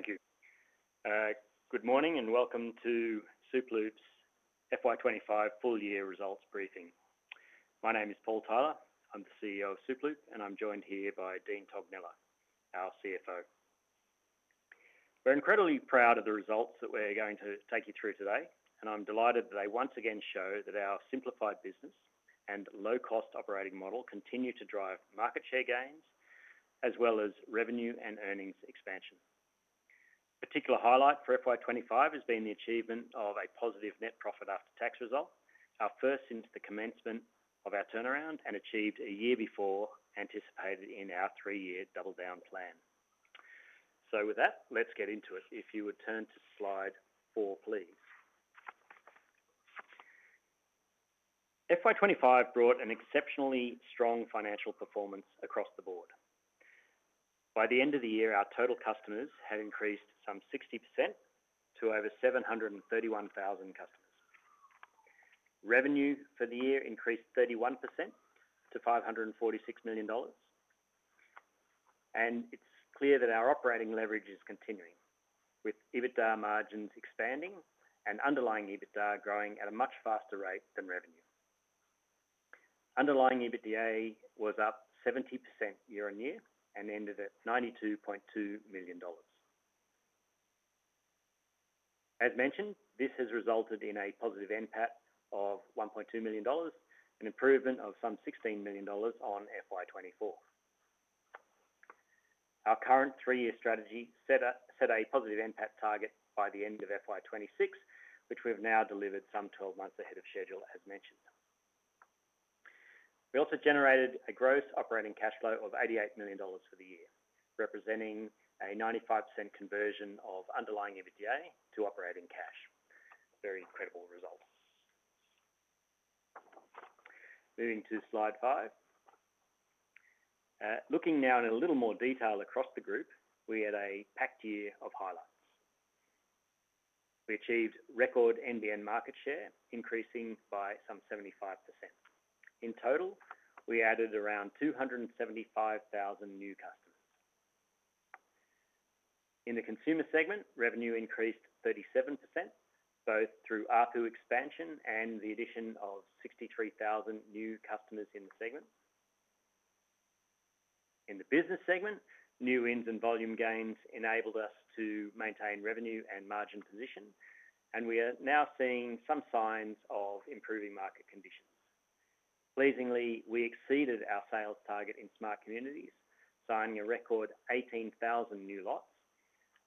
Thank you. Good morning and welcome to Superloop's FY 2025 Full-Year Results Briefing. My name is Paul Tyler. I'm the CEO of Superloop, and I'm joined here by Dean Tognella, our CFO. We're incredibly proud of the results that we're going to take you through today, and I'm delighted that they once again show that our simplified business and low-cost operating model continue to drive market share gains, as well as revenue and earnings expansion. A particular highlight for FY 2025 has been the achievement of a positive net profit after tax result, our first since the commencement of our turnaround, and achieved a year before anticipated in our three-year double-down plan. With that, let's get into it. If you would turn to slide 4, please. FY 2025 brought an exceptionally strong financial performance across the board. By the end of the year, our total customers had increased some 60% to over 731,000 customers. Revenue for the year increased 31% to 546 million dollars, and it's clear that our operating leverage is continuing, with EBITDA margins expanding and underlying EBITDA growing at a much faster rate than revenue. Underlying EBITDA was up 70% year-on-year and ended at 92.2 million dollars. As mentioned, this has resulted in a positive NPAT of 1.2 million dollars and improvement of some 16 million dollars on FY 2024. Our current three-year strategy set a positive NPAT target by the end of FY 2026, which we have now delivered some 12 months ahead of schedule, as mentioned. We also generated a gross operating cash flow of 88 million dollars for the year, representing a 95% conversion of underlying EBITDA to operating cash. A very incredible result. Moving to slide 5. Looking now in a little more detail across the group, we had a packed year of highlights. We achieved record end-to-end market share, increasing by some 75%. In total, we added around 275,000 new customers. In the consumer segment, revenue increased 37%, both through ARPU expansion and the addition of 63,000 new customers in the segment. In the business segment, new wins and volume gains enabled us to maintain revenue and margin position, and we are now seeing some signs of improving market conditions. Pleasingly, we exceeded our sales target in smart communities, signing a record 18,000 new lots,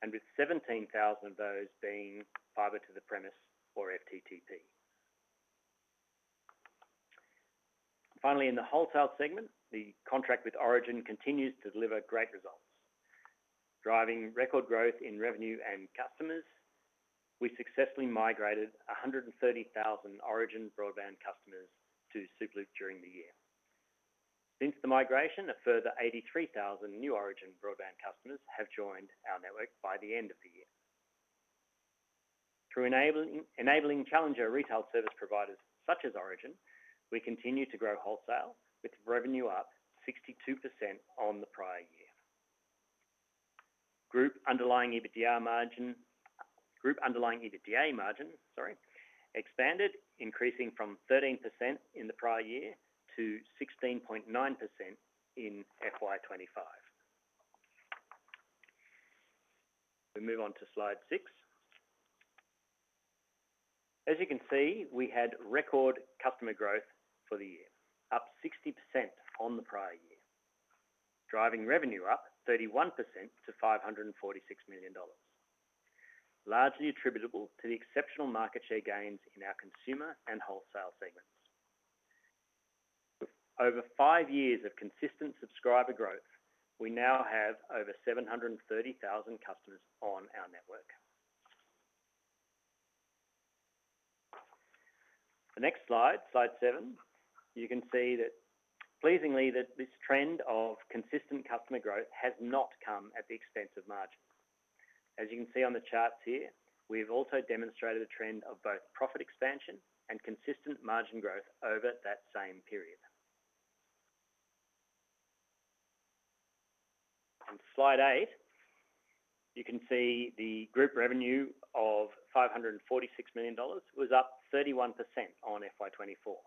and with 17,000 of those being fiber to the premise or FTTP. Finally, in the wholesale segment, the contract with Origin continues to deliver great results. Driving record growth in revenue and customers, we successfully migrated 130,000 Origin broadband customers to Superloop during the year. Since the migration, a further 83,000 new Origin broadband customers have joined our network by the end of the year. Through enabling challenger retail service providers such as Origin, we continue to grow wholesale, with revenue up 62% on the prior year. Group underlying EBITDA margin, sorry, expanded, increasing from 13% in the prior year to 16.9% in FY 2025. We move on to slide 6. As you can see, we had record customer growth for the year, up 60% on the prior year, driving revenue up 31% to 546 million dollars, largely attributable to the exceptional market share gains in our consumer and wholesale segments. Over five years of consistent subscriber growth, we now have over 730,000 customers on our network. The next slide, slide 7, you can see that, pleasingly, this trend of consistent customer growth has not come at the expense of margin. As you can see on the charts here, we've also demonstrated a trend of both profit expansion and consistent margin growth over that same period. In slide 8, you can see the group revenue of 546 million dollars was up 31% on FY 2024.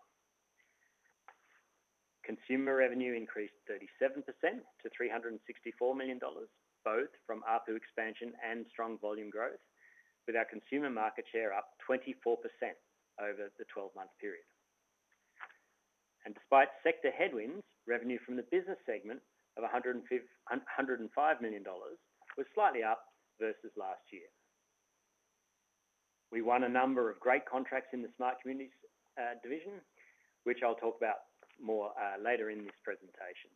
Consumer revenue increased 37% to 364 million dollars, both from ARPU expansion and strong volume growth, with our consumer market share up 24% over the 12-month period. Despite sector headwinds, revenue from the business segment of 105 million dollars was slightly up versus last year. We won a number of great contracts in the smart communities division, which I'll talk about more later in this presentation.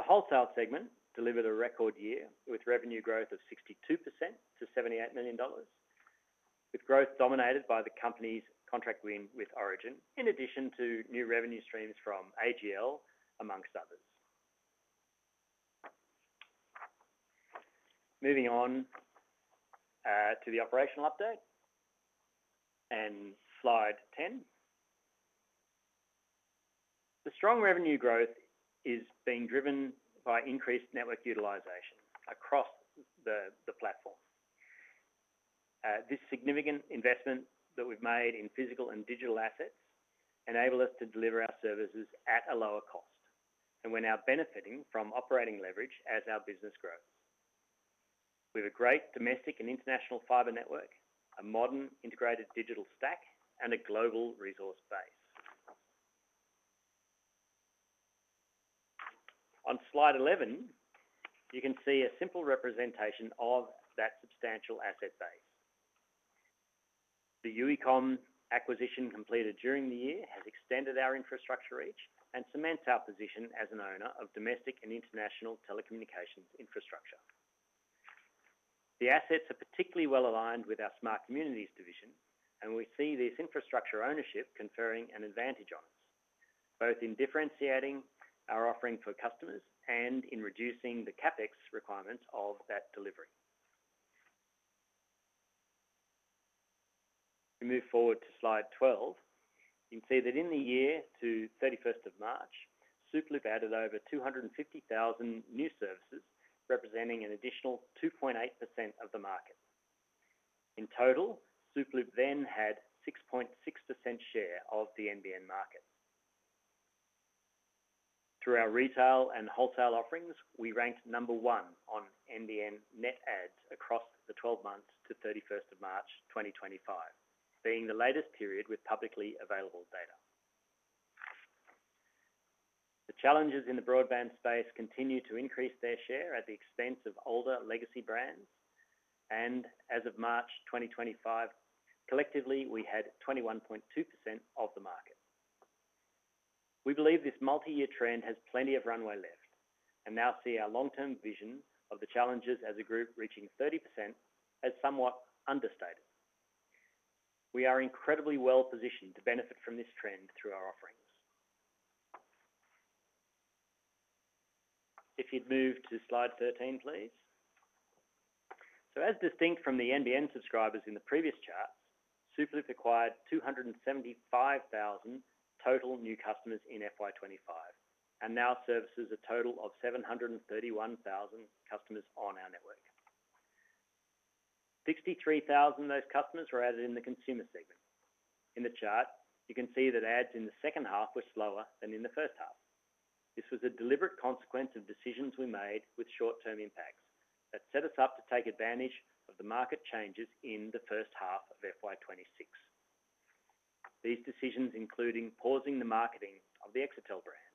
The wholesale segment delivered a record year with revenue growth of 62% to 78 million dollars, with growth dominated by the company's contract win with Origin, in addition to new revenue streams from AGL, amongst others. Moving on to the operational update and slide 10. The strong revenue growth is being driven by increased network utilization across the platform. This significant investment that we've made in physical and digital assets enables us to deliver our services at a lower cost and we're now benefiting from operating leverage as our business grows. We have a great domestic and international fiber network, a modern integrated digital stack, and a global resource base. On slide 11, you can see a simple representation of that substantial asset base. The Uecomm acquisition completed during the year has extended our infrastructure reach and cements our position as an owner of domestic and international telecommunications infrastructure. The assets are particularly well-aligned with our smart communities division, and we see this infrastructure ownership conferring an advantage on us, both in differentiating our offering for customers and in reducing the CapEx requirements of that delivery. We move forward to slide 12. You can see that in the year to 31st of March, Superloop added over 250,000 new services, representing an additional 2.8% of the market. In total, Superloop then had a 6.6% share of the NBN market. Through our retail and wholesale offerings, we ranked number one on NBN net adds across the 12 months to 31st of March 2025, being the latest period with publicly available data. The challengers in the broadband space continue to increase their share at the expense of older legacy brands, and as of March 2025, collectively, we had 21.2% of the market. We believe this multi-year trend has plenty of runway left and now see our long-term vision of the challengers as a group reaching 30% as somewhat understated. We are incredibly well-positioned to benefit from this trend through our offerings. If you'd move to slide 13, please. As distinct from the NBN subscribers in the previous chart, Superloop acquired 275,000 total new customers in FY 2025 and now services a total of 731,000 customers on our network. 63,000 of those customers were added in the consumer segment. In the chart, you can see that adds in the second half were slower than in the first half. This was a deliberate consequence of decisions we made with short-term impacts that set us up to take advantage of the market changes in the first half of FY 2026. These decisions, including pausing the marketing of the Exetel brand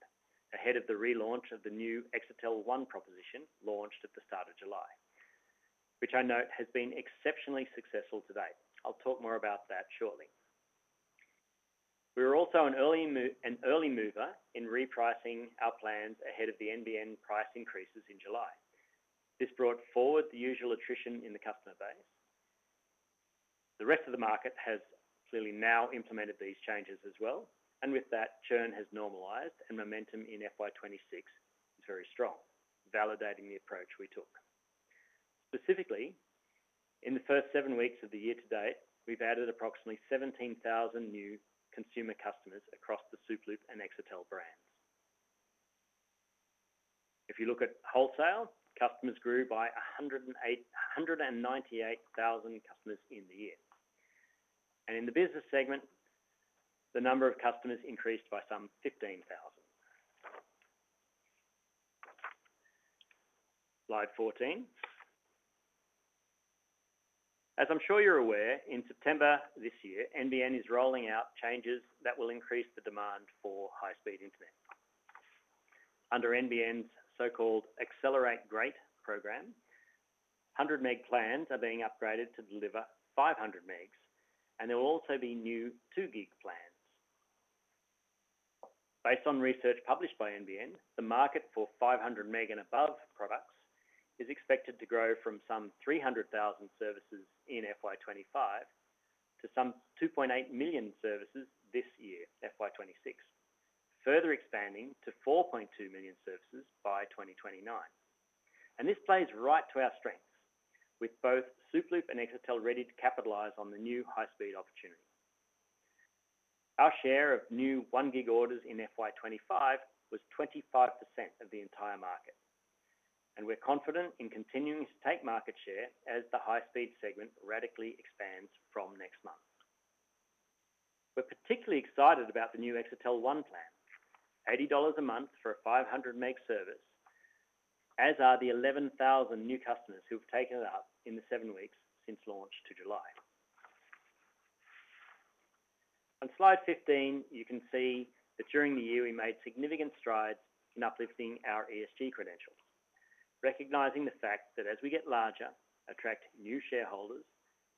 ahead of the relaunch of the new Exetel One proposition launched at the start of July, which I note has been exceptionally successful to date. I'll talk more about that shortly. We were also an early mover in repricing our plans ahead of the NBN price increases in July. This brought forward the usual attrition in the customer base. The rest of the market has clearly now implemented these changes as well, and with that, churn has normalized and momentum in FY 2026 is very strong, validating the approach we took. Specifically, in the first seven weeks of the year to date, we've added approximately 17,000 new consumer customers across the Superloop and Exetel brand. If you look at wholesale, customers grew by 198,000 customers in the year. In the business segment, the number of customers increased by some 15,000. slide 14. As I'm sure you're aware, in September this year, NBN is rolling out changes that will increase the demand for high-speed internet. Under NBN's so-called Accelerate Great program, 100 Mbps plans are being upgraded to deliver 500 Mbps, and there will also be new 2-gig plans. Based on research published by NBN, the market for 500 Mbps and above products is expected to grow from some 300,000 services in FY 2025 to some 2.8 million services this year, FY 2026, further expanding to 4.2 million services by 2029. This plays right to our strengths, with both Superloop and Exetel ready to capitalize on the new high-speed opportunity. Our share of new 1-gig orders in FY 2025 was 25% of the entire market, and we're confident in continuing to take market share as the high-speed segment radically expands from next month. We're particularly excited about the new Exetel One plan, 80 dollars a month for a 500-Mbps service, as are the 11,000 new customers who have taken it up in the seven weeks since launch to July. On slide 15, you can see that during the year, we made significant strides in uplifting our ESG credentials, recognizing the fact that as we get larger, attract new shareholders,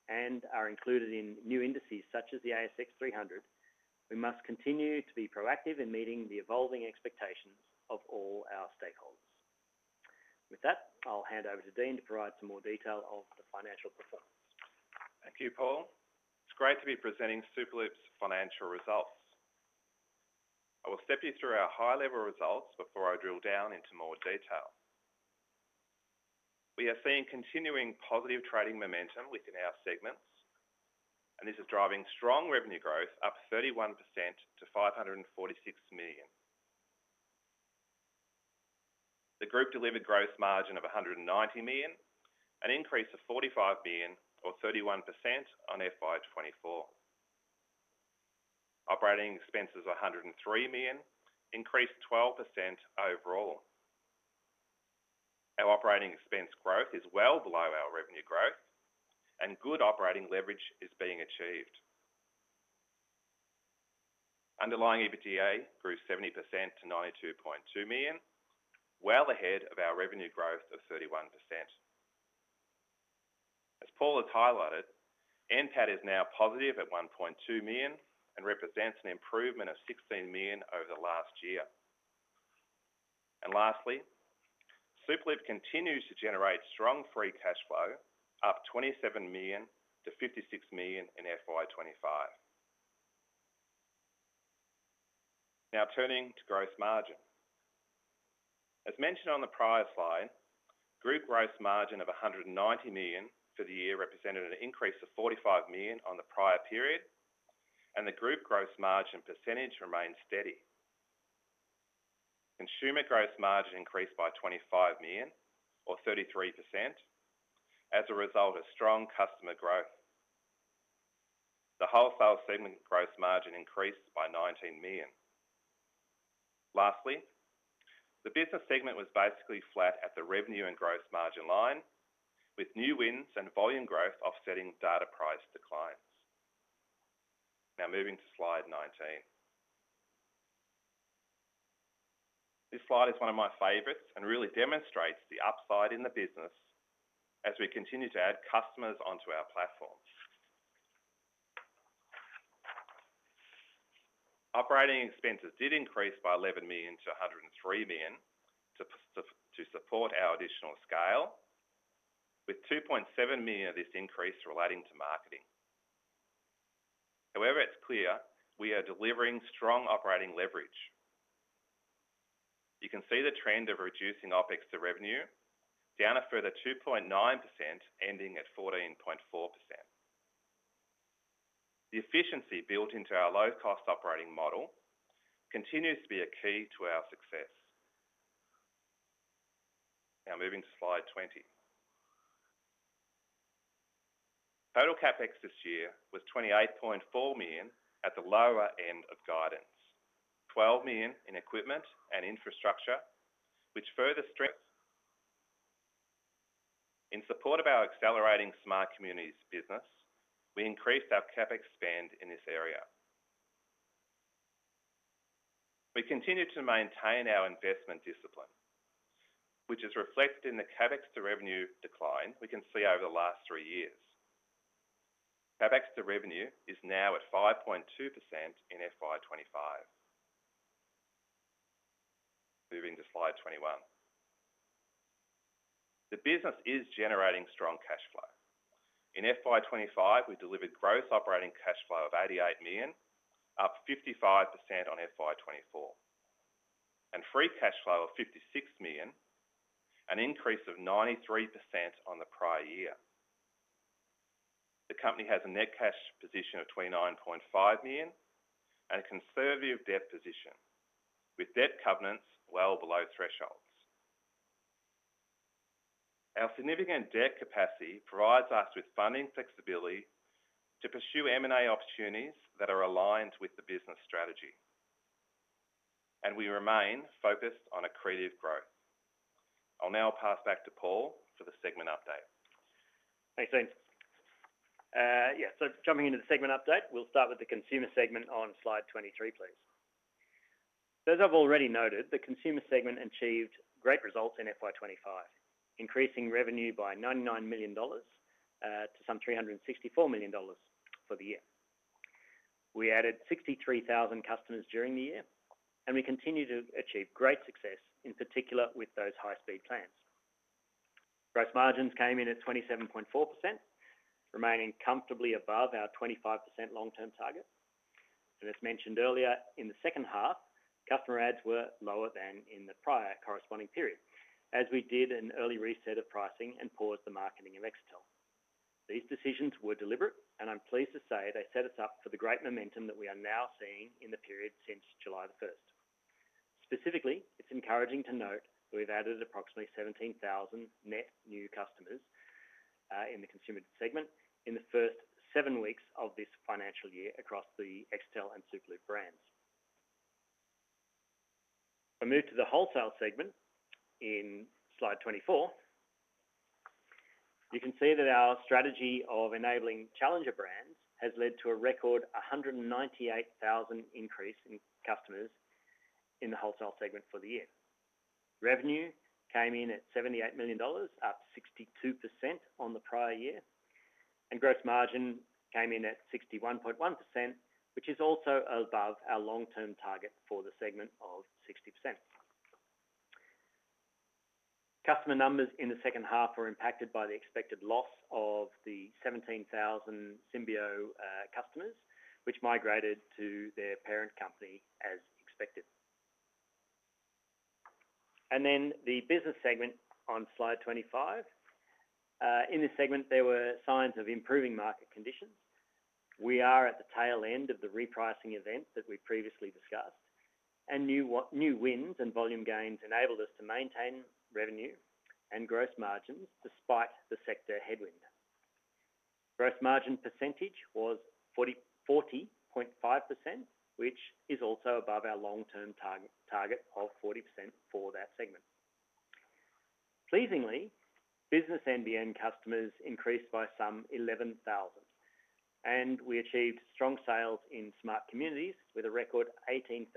and are included in new indices such as the ASX 300, we must continue to be proactive in meeting the evolving expectations of all our stakeholders. With that, I'll hand over to Dean to provide some more detail of the financial performance. Thank you, Paul. It's great to be presenting Superloop's financial results. I will step you through our high-level results before I drill down into more detail. We are seeing continuing positive trading momentum within our segments, and this is driving strong revenue growth, up 31% to 546 million. The group delivered gross margin of 190 million, an increase of 45 million, or 31% on FY 2024. Operating expenses of 103 million increased 12% overall. Our operating expense growth is well below our revenue growth, and good operating leverage is being achieved. Underlying EBITDA grew 70% to 92.2 million, well ahead of our revenue growth of 31%. As Paul has highlighted, NPAT is now positive at 1.2 million and represents an improvement of 16 million over the last year. Lastly, Superloop continues to generate strong free cash flow, up 27 million-56 million in FY 2025. Now turning to gross margin. As mentioned on the prior slide, group gross margin of 190 million for the year represented an increase of 45 million on the prior period, and the group gross margin percentage remains steady. Consumer gross margin increased by 25 million, or 33%, as a result of strong customer growth. The wholesale segment gross margin increased by 19 million. Lastly, the business segment was basically flat at the revenue and gross margin line, with new wins and volume growth offsetting data price declines. Now moving to slide 19. This slide is one of my favorites and really demonstrates the upside in the business as we continue to add customers onto our platforms. Operating expenses did increase by 11 million-103 million to support our additional scale, with 2.7 million of this increase relating to marketing. However, it's clear we are delivering strong operating leverage. You can see the trend of reducing opex to revenue down a further 2.9%, ending at 14.4%. The efficiency built into our low-cost operating model continues to be a key to our success. Now moving to slide 20. Total CapEx this year was 28.4 million at the lower end of guidance, 12 million in equipment and infrastructure, which further strengthened. In support of our accelerating smart communities business, we increased our CapEx spend in this area. We continue to maintain our investment discipline, which is reflected in the CapEx to revenue decline we can see over the last three years. CapEx to revenue is now at 5.2% in FY 2025. Moving to slide 21. The business is generating strong cash flow. In FY 2025 we delivered gross operating cash flow of 88 million, up 55% on FY 2024, and free cash flow of 56 million, an increase of 93% on the prior year. The company has a net cash position of 29.5 million and a conservative debt position, with debt covenants well below thresholds. Our significant debt capacity provides us with funding flexibility to pursue M&A opportunities that are aligned with the business strategy, and we remain focused on accretive growth. I'll now pass back to Paul for the segment update. Thanks, Dean. Yeah, jumping into the segment update, we'll start with the consumer segment on slide 23, please. As I've already noted, the consumer segment achieved great results in FY 2025, increasing revenue by 99 million dollars to some 364 million dollars for the year. We added 63,000 customers during the year, and we continue to achieve great success, in particular with those high-speed plans. Gross margins came in at 27.4%, remaining comfortably above our 25% long-term target. As mentioned earlier, in the second half, customer adds were lower than in the prior corresponding period, as we did an early reset of pricing and paused the marketing of Exetel. These decisions were deliberate, and I'm pleased to say they set us up for the great momentum that we are now seeing in the period since July 1. Specifically, it's encouraging to note that we've added approximately 17,000 net new customers in the consumer segment in the first seven weeks of this financial year across the Exetel and Superloop brands. I move to the wholesale segment in slide 24. You can see that our strategy of enabling challenger brands has led to a record 198,000 increase in customers in the wholesale segment for the year. Revenue came in at 78 million dollars, up 62% on the prior year, and gross margin came in at 61.1%, which is also above our long-term target for the segment of 60%. Customer numbers in the second half were impacted by the expected loss of the 17,000 Symbio customers, which migrated to their parent company as expected. The business segment on slide 25. In this segment, there were signs of improving market conditions. We are at the tail end of the repricing event that we previously discussed, and new wins and volume gains enabled us to maintain revenue and gross margins despite the sector headwind. Gross margin percentage was 40.5%, which is also above our long-term target of 40% for that segment. Pleasingly, business NBN customers increased by some 11,000, and we achieved strong sales in smart communities with a record 18,000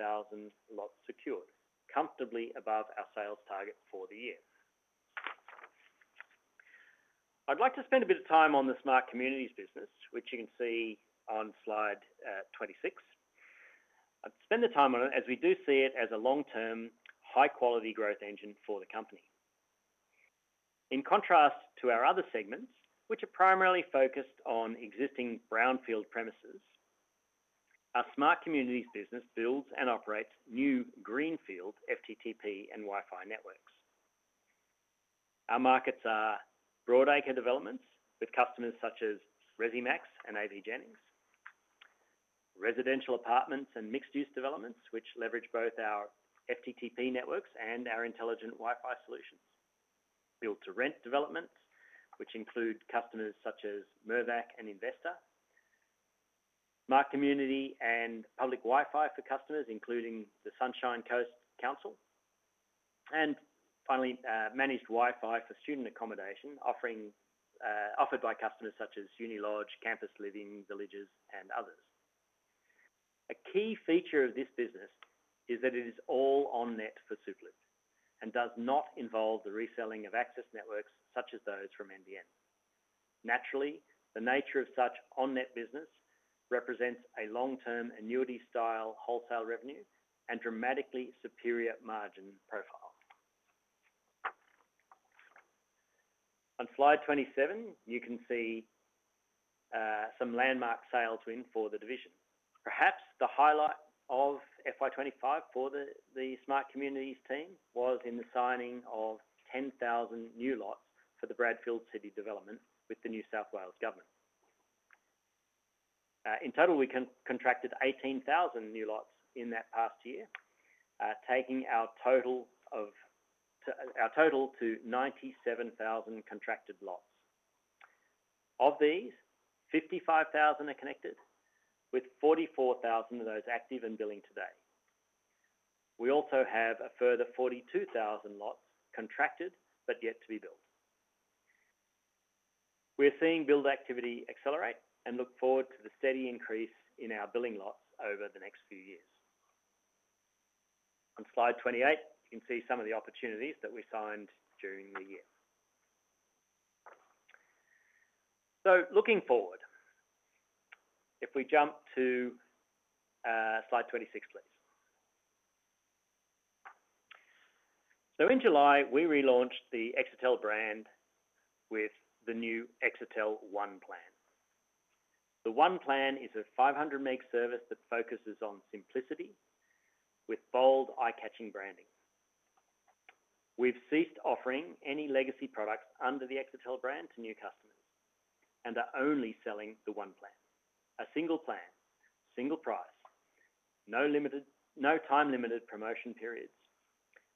lots secured, comfortably above our sales target for the year. I'd like to spend a bit of time on the smart communities business, which you can see on slide 26. I'd spend the time on it as we do see it as a long-term, high-quality growth engine for the company. In contrast to our other segments, which are primarily focused on existing brownfield premises, our smart communities business builds and operates new greenfield FTTP and Wi-Fi networks. Our markets are broadacre developments with customers such as Resimax and AV Jennings, residential apartments and mixed-use developments which leverage both our FTTP networks and our intelligent Wi-Fi solutions, built-to-rent developments which include customers such as Mirvac and Investa, smart community and public Wi-Fi for customers including the Sunshine Coast Council, and finally, managed Wi-Fi for student accommodation offered by customers such as UniLodge, Campus Living Villages, and others. A key feature of this business is that it is all on-net for Superloop and does not involve the reselling of access networks such as those from NBN. Naturally, the nature of such on-net business represents a long-term annuity-style wholesale revenue and dramatically superior margin profile. On slide 27, you can see some landmark sales wins for the division. Perhaps the highlight of FY 2025 for the smart communities team was in the signing of 10,000 new lots for the Bradfield City development with the New South Wales Government. In total, we contracted 18,000 new lots in that past year, taking our total to 97,000 contracted lots. Of these, 55,000 are connected, with 44,000 of those active and billing today. We also have a further 42,000 lots contracted but yet to be built. We're seeing build activity accelerate and look forward to the steady increase in our billing lots over the next few years. On slide 28, you can see some of the opportunities that we signed during the year. If we jump to slide 26, please. In July, we relaunched the Exetel brand with the new Exetel One plan. The One plan is a 500 Mbps service that focuses on simplicity with bold, eye-catching branding. We've ceased offering any legacy products under the Exetel brand to new customers and are only selling the One plan, a single plan, single price, no time-limited promotion periods.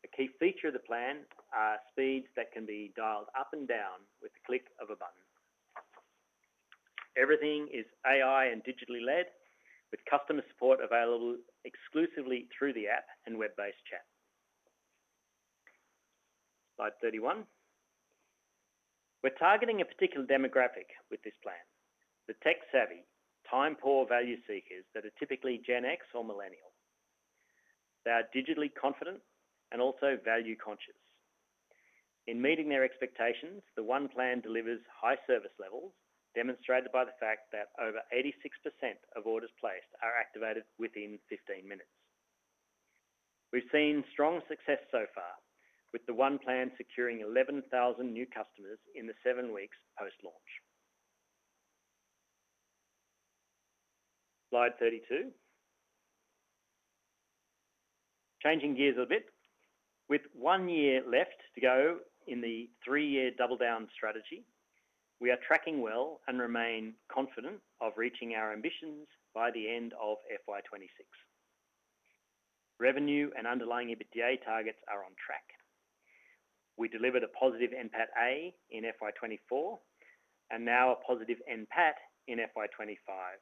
A key feature of the plan are speeds that can be dialed up and down with the click of a button. Everything is AI and digitally led, with customer support available exclusively through the app and web-based chat. slide 31. We're targeting a particular demographic with this plan, the tech-savvy, time-poor value seekers that are typically Gen X or Millennial. They are digitally confident and also value conscious. In meeting their expectations, the One plan delivers high service levels, demonstrated by the fact that over 86% of orders placed are activated within 15 minutes. We've seen strong success so far, with the One plan securing 11,000 new customers in the seven weeks post-launch. slide 32. Changing gears a bit, with one year left to go in the three-year double-down strategy, we are tracking well and remain confident of reaching our ambitions by the end of FY 2026. Revenue and underlying EBITDA targets are on track. We delivered a positive NPAT-A in FY 2024 and now a positive NPAT in FY 2025.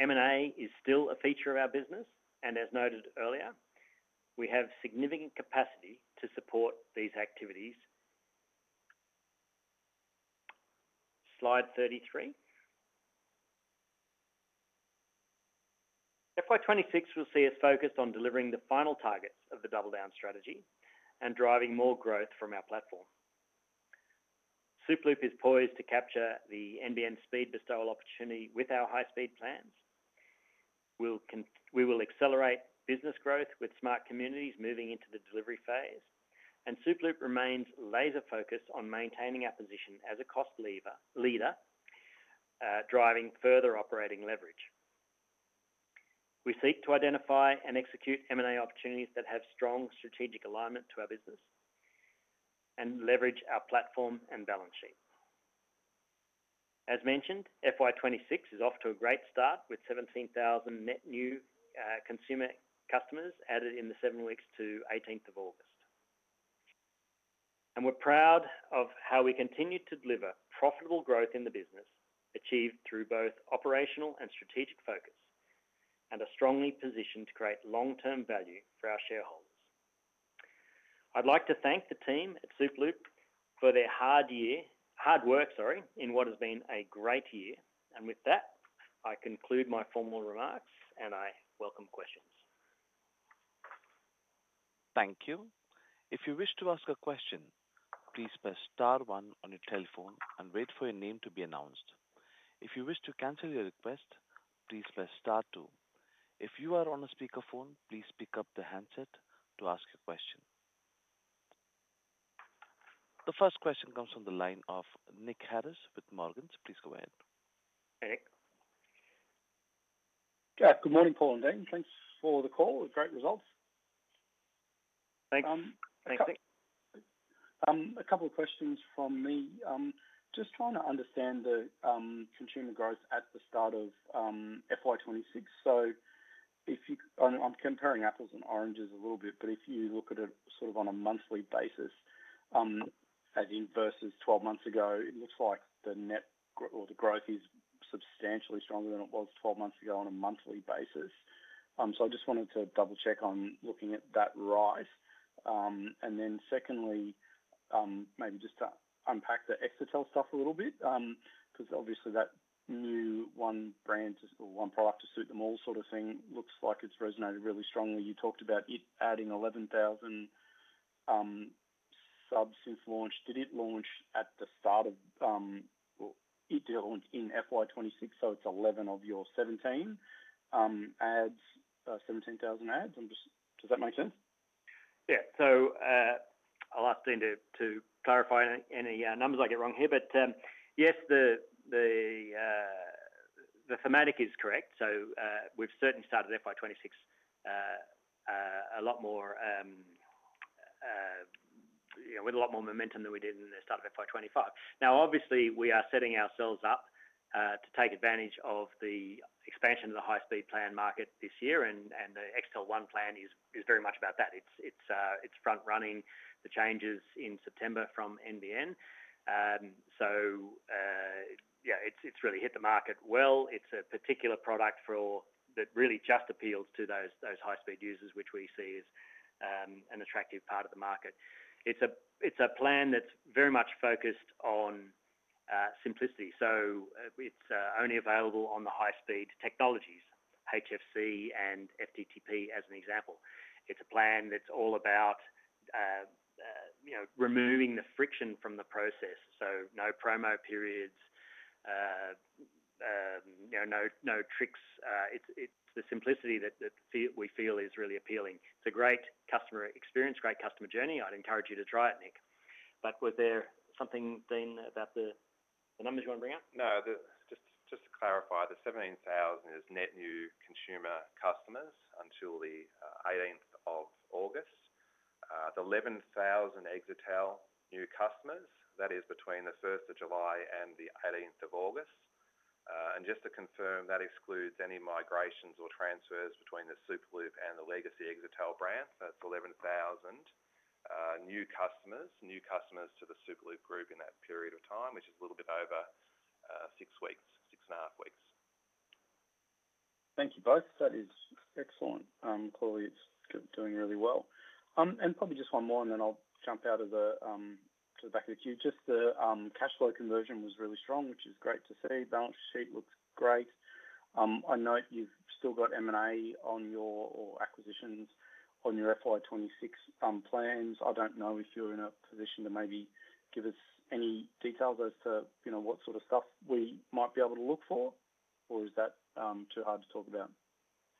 M&A is still a feature of our business, and as noted earlier, we have significant capacity to support these activities. slide 33. FY 2026 will see us focused on delivering the final targets of the double-down strategy and driving more growth from our platform. Superloop is poised to capture the NBN speed bestowal opportunity with our high-speed plans. We will accelerate business growth with smart communities moving into the delivery phase, and Superloop remains laser-focused on maintaining our position as a cost leader, driving further operating leverage. We seek to identify and execute M&A opportunities that have strong strategic alignment to our business and leverage our platform and balance sheet. As mentioned, FY 2026 is off to a great start with 17,000 net new consumer customers added in the seven weeks to 18th of August. We're proud of how we continue to deliver profitable growth in the business achieved through both operational and strategic focus and are strongly positioned to create long-term value for our shareholders. I'd like to thank the team at Superloop for their hard work in what has been a great year. With that, I conclude my formal remarks and I welcome questions. Thank you. If you wish to ask a question, please press star-one on your telephone and wait for your name to be announced. If you wish to cancel your request, please press star-two. If you are on a speakerphone, please pick up the handset to ask your question. The first question comes from the line of Nick Harris with Morgan's. Please go ahead. Good morning, Paul and Dean. Thanks for the call. Great results. Thanks, Nick. A couple of questions from me. Just trying to understand the consumer growth at the start of FY 2026. If I'm comparing apples and oranges a little bit, but if you look at it sort of on a monthly basis, as in versus 12 months ago, it looks like the net or the growth is substantially stronger than it was 12 months ago on a monthly basis. I just wanted to double-check on looking at that rise. Secondly, maybe just to unpack the Exetel stuff a little bit, because obviously that new one brand or one product to suit them all sort of thing looks like it's resonated really strongly. You talked about it adding 11,000 subs since launch. Did it launch at the start of, did it launch in FY 2026, so it's 11 of your 17, 17,000 adds. Does that make sense? Yeah. I'll ask Dean to clarify any numbers I get wrong here. Yes, the thematic is correct. We've certainly started FY 2026 with a lot more momentum than we did at the start of FY 2025. Now, obviously, we are setting ourselves up to take advantage of the expansion of the high-speed plan market this year, and the Exetel One plan is very much about that. It's front-running the changes in September from NBN. It's really hit the market well. It's a particular product that really just appeals to those high-speed users, which we see as an attractive part of the market. It's a plan that's very much focused on simplicity. It's only available on the high-speed technologies, HFC and FTTP as an example. It's a plan that's all about removing the friction from the process. No promo periods, no tricks. It's the simplicity that we feel is really appealing. It's a great customer experience, great customer journey. I'd encourage you to try it, Nick. Was there something, Dean, about the numbers you want to bring up? No, just to clarify, the 17,000 is net new consumer customers until the 18th of August. The 11,000 Exetel new customers, that is between the 1st of July and the 18th of August. Just to confirm, that excludes any migrations or transfers between Superloop and the legacy Exetel brand. That's 11,000 new customers, new customers to the Superloop group in that period of time, which is a little bit over 6 weeks, 6.5 weeks. Thank you both. That is excellent. Clearly, it's doing really well. Probably just one more, and then I'll jump out of the back of the queue. The cash flow conversion was really strong, which is great to see. Balance sheet looks great. I note you've still got M&A on your acquisitions on your FY 2026 plans. I don't know if you're in a position to maybe give us any details as to what sort of stuff we might be able to look for, or is that too hard to talk about?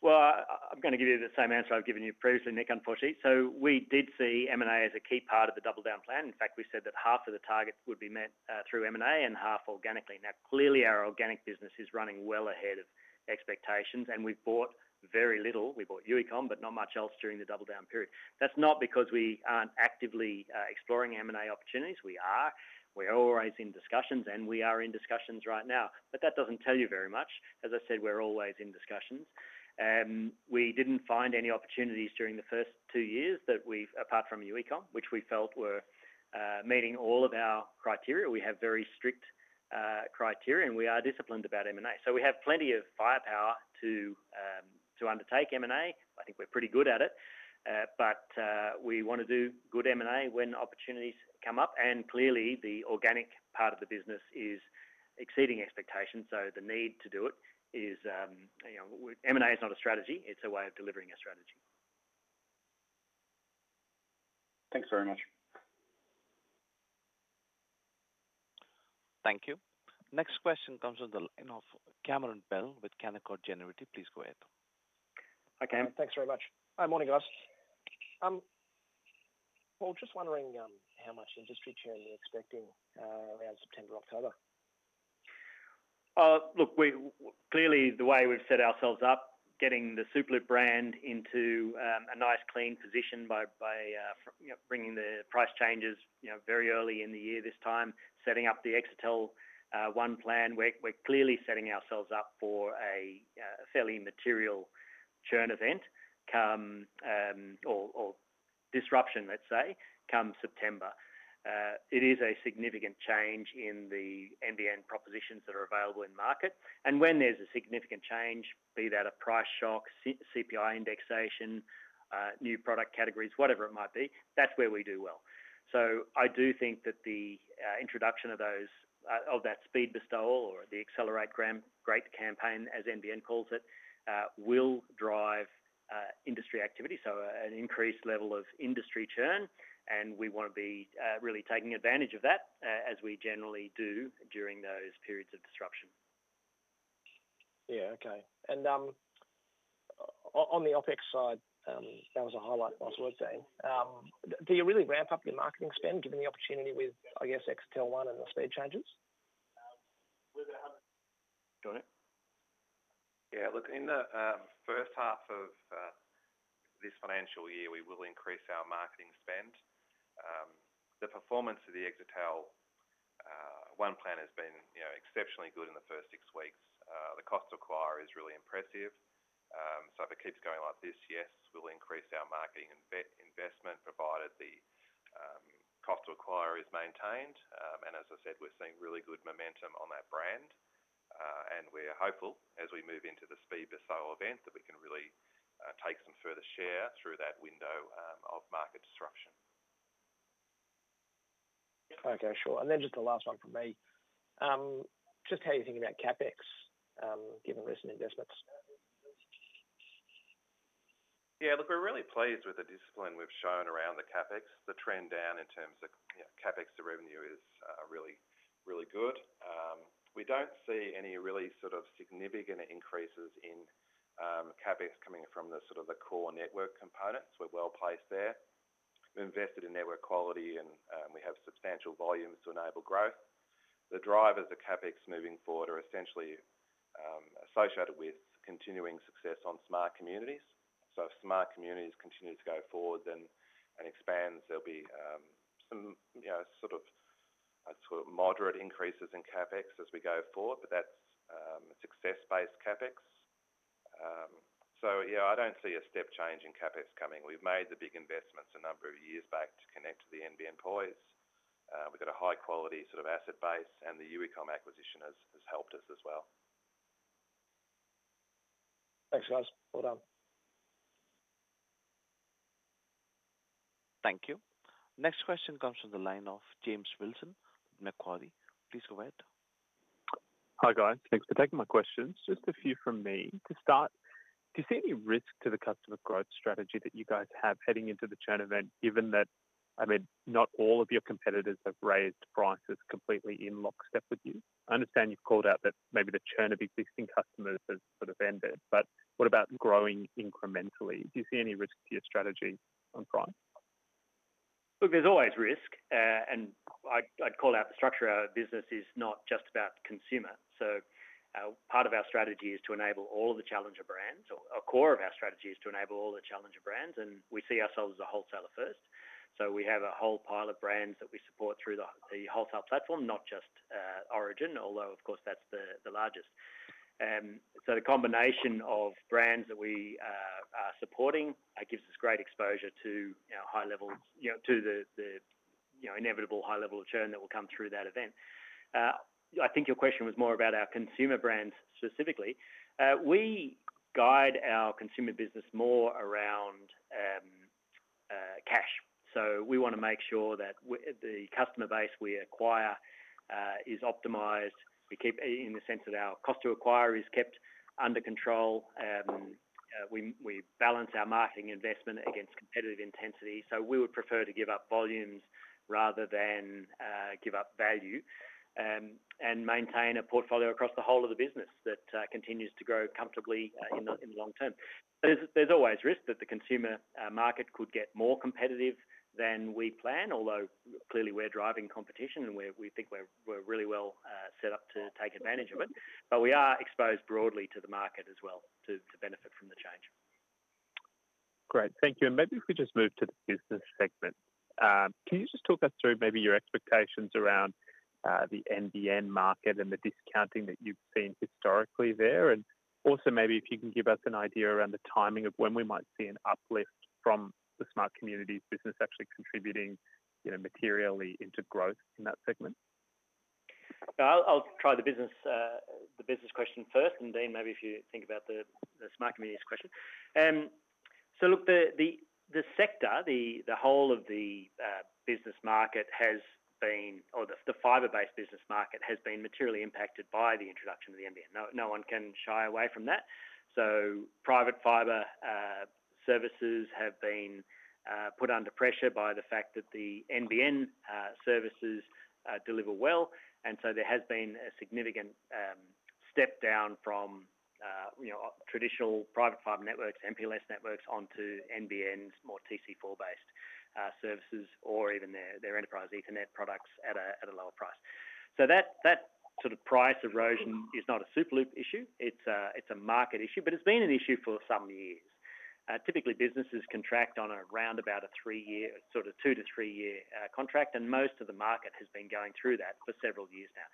I'm going to give you the same answer I've given you previously, Nick, unfortunately. We did see M&A as a key part of the double-down plan. In fact, we said that half of the target would be met through M&A and half organically. Now, clearly, our organic business is running well ahead of expectations, and we've bought very little. We bought Uecomm, but not much else during the double-down period. That's not because we aren't actively exploring M&A opportunities. We are. We're always in discussions, and we are in discussions right now. That doesn't tell you very much. As I said, we're always in discussions. We didn't find any opportunities during the first two years that we've, apart from Uecomm, which we felt were meeting all of our criteria. We have very strict criteria, and we are disciplined about M&A. We have plenty of firepower to undertake M&A. I think we're pretty good at it. We want to do good M&A when opportunities come up. Clearly, the organic part of the business is exceeding expectations. The need to do it is, you know, M&A is not a strategy. It's a way of delivering a strategy. Thanks very much. Thank you. Next question comes from the line of Cameron Bell with Canaccord Genuity. Please go ahead. Hi, Cameron. Thanks very much. Hi, morning, guys. I'm just wondering how much industry churn you're expecting around September and October. Look, clearly, the way we've set ourselves up, getting the Superloop brand into a nice, clean position by bringing the price changes very early in the year this time, setting up the Exetel One plan, we're clearly setting ourselves up for a fairly material churn event or disruption, let's say, come September. It is a significant change in the NBN propositions that are available in the market. When there's a significant change, be that a price shock, CPI indexation, new product categories, whatever it might be, that's where we do well. I do think that the introduction of that speed bestowal or the Accelerate Great campaign, as NBN calls it, will drive industry activity, so an increased level of industry churn. We want to be really taking advantage of that as we generally do during those periods of disruption. Okay. On the OpEx side, that was a highlight last week, Dean. Do you really ramp up your marketing spend given the opportunity with, I guess, Exetel One and the speed changes? Yeah, look, in the first half of this financial year, we will increase our marketing spend. The performance of the Exetel One plan has been exceptionally good in the first six weeks. The cost to acquire is really impressive. If it keeps going like this, yes, we'll increase our marketing investment provided the cost to acquire is maintained. As I said, we're seeing really good momentum on that brand. We're hopeful as we move into the speed bestowal event that we can really take some further share through that window of market disruption. Okay, sure. Just the last one from me. Just how you're thinking about CapEx given recent investments. Yeah, look, we're really pleased with the discipline we've shown around the CapEx. The trend down in terms of CapEx to revenue is really, really good. We don't see any really sort of significant increases in CapEx coming from the sort of the core network components. We're well placed there. We're invested in network quality, and we have substantial volumes to enable growth. The drivers of CapEx moving forward are essentially associated with continuing success on smart communities. If smart communities continue to go forward and expand, there'll be some, you know, sort of, I'd call it moderate increases in CapEx as we go forward, but that's success-based CapEx. I don't see a step change in CapEx coming. We've made the big investments a number of years back to connect to the NBN poise. We've got a high-quality sort of asset base, and the Uecomm acquisition has helped us as well. Thanks, guys. Well done. Thank you. Next question comes from the line of James Wilson with Macquarie. Please go ahead. Hi, guys. Thanks for taking my questions. Just a few from me. To start, do you see any risk to the customer growth strategy that you guys have heading into the churn event given that, I mean, not all of your competitors have raised prices completely in lockstep with you? I understand you've called out that maybe the churn of existing customers has sort of ended, but what about growing incrementally? Do you see any risk to your strategy on price? Look, there's always risk. I'd call out the structure of our business is not just about the consumer. Part of our strategy is to enable all of the challenger brands. A core of our strategy is to enable all the challenger brands, and we see ourselves as a wholesaler first. We have a whole pile of brands that we support through the wholesale platform, not just Origin, although, of course, that's the largest. The combination of brands that we are supporting gives us great exposure to the inevitable high-level churn that will come through that event. I think your question was more about our consumer brands specifically. We guide our consumer business more around cash. We want to make sure that the customer base we acquire is optimized. We keep, in the sense that our cost to acquire is kept under control. We balance our marketing investment against competitive intensity. We would prefer to give up volumes rather than give up value and maintain a portfolio across the whole of the business that continues to grow comfortably in the long term. There's always risk that the consumer market could get more competitive than we plan, although clearly we're driving competition and we think we're really well set up to take advantage of it. We are exposed broadly to the market as well to benefit from the change. Great. Thank you. If we just move to the business segment, can you talk us through maybe your expectations around the NBN market and the discounting that you've seen historically there? Also, maybe if you can give us an idea around the timing of when we might see an uplift from the smart communities business actually contributing materially into growth in that segment. I'll try the business question first. Dean, maybe if you think about the smart communities question. The sector, the whole of the business market has been, or the fiber-based business market has been materially impacted by the introduction of the NBN. No one can shy away from that. Private fiber services have been put under pressure by the fact that the NBN services deliver well. There has been a significant step down from traditional private fiber networks, MPLS networks, onto NBN's more TC4-based services or even their Enterprise Ethernet products at a lower price. That sort of price erosion is not a Superloop issue. It's a market issue, but it's been an issue for some years. Typically, businesses contract on around about a three-year, sort of two to three-year contract, and most of the market has been going through that for several years now.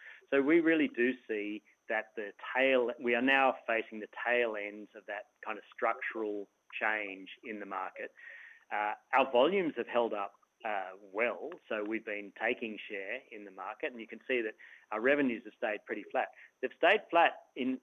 We really do see that the tail, we are now facing the tail ends of that kind of structural change in the market. Our volumes have held up well. We've been taking share in the market, and you can see that our revenues have stayed pretty flat. They've stayed flat in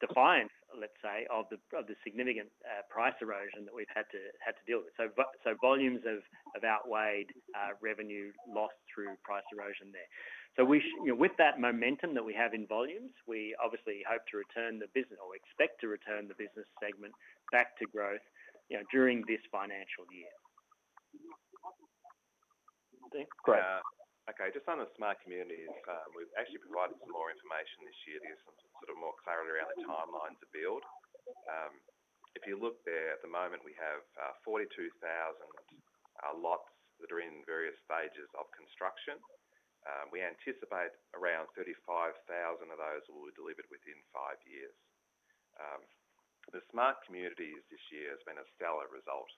defiance, let's say, of the significant price erosion that we've had to deal with. Volumes have outweighed revenue lost through price erosion there. With that momentum that we have in volumes, we obviously hope to return the business, or we expect to return the business segment back to growth during this financial year. Dean? Great. Okay, just on the smart communities, we've actually provided some more information this year. There's some more clarity around the timelines of build. If you look there at the moment, we have 42,000 lots that are in various stages of construction. We anticipate around 35,000 of those will be delivered within five years. The smart communities this year has been a stellar result,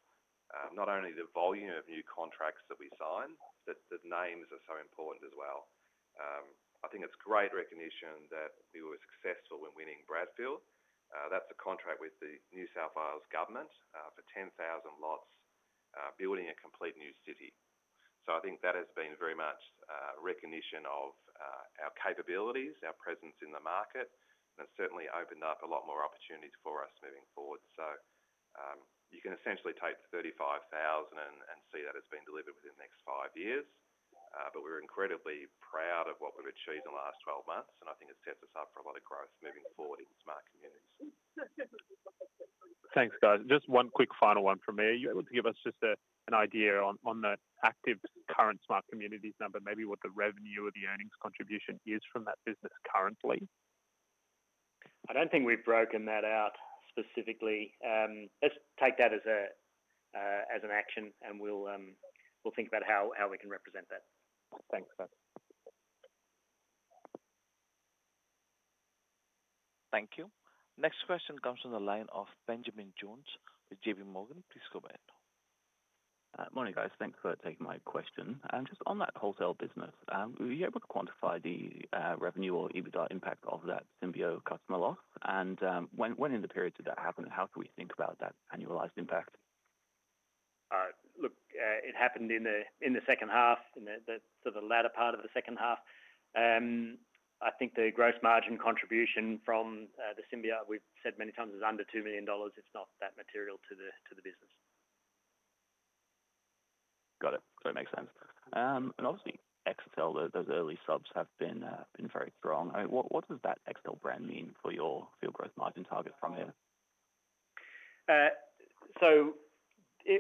not only the volume of new contracts that we sign, but the names are so important as well. I think it's great recognition that we were successful in winning Bradfield. That's a contract with the New South Wales Government for 10,000 lots building a complete new city. I think that has been very much a recognition of our capabilities, our presence in the market, and it's certainly opened up a lot more opportunities for us moving forward. You can essentially take 35,000 and see that it's been delivered within the next five years. We're incredibly proud of what we've achieved in the last 12 months, and I think it sets us up for a lot of growth moving forward in smart communities. Thanks, guys. Just one quick final one from me. Are you able to give us just an idea on the active current smart communities number, maybe what the revenue or the earnings contribution is from that business currently? I don't think we've broken that out specifically. Let's take that as an action, and we'll think about how we can represent that. Thanks, guys. Thank you. Next question comes from the line of Benjamin Jones with JPMorgan. Please go ahead. Morning, guys. Thanks for taking my question. Just on that wholesale business, are you able to quantify the revenue or EBITDA impact of that Symbio customer loss? When in the period did that happen, and how can we think about that annualized impact? Look, it happened in the second half, in the sort of latter part of the second half. I think the gross margin contribution from the Symbio, we've said many times, is under 2 million dollars. It's not that material to the business. Got it. It makes sense. Obviously, Exetel, those early subs have been very strong. What does that Exetel brand mean for your gross margin target from here? It